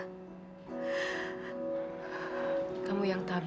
tapi ini kalau ada masalah gak akan ada